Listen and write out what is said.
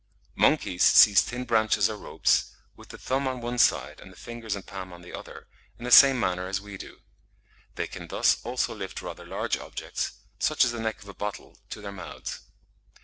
Monkeys seize thin branches or ropes, with the thumb on one side and the fingers and palm on the other, in the same manner as we do. They can thus also lift rather large objects, such as the neck of a bottle, to their mouths.